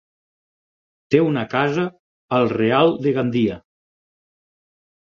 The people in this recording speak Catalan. Té una casa al Real de Gandia.